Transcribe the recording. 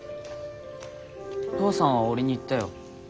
父さんは俺に言ったよ。